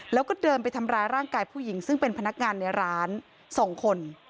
แล้วก็เดินไปทำร้ายร่างกายผู้หญิงซึ่งเป็นพนักงานในร้าน๒คน